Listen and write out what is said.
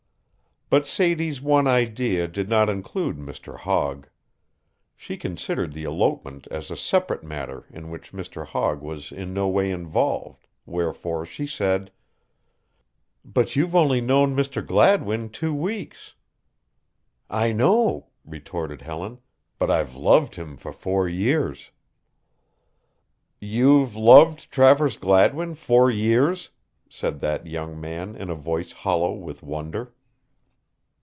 But Sadie's one idea did not include Mr. Hogg. She considered the elopement as a separate matter in which Mr. Hogg was in no way involved, wherefore she said: "But you've only known Mr. Gladwin two weeks." "I know," retorted Helen, "but I've loved him for four years." "You've loved Travers Gladwin four years," said that young man in a voice hollow with wonder.